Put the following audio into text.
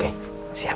terima kasih pak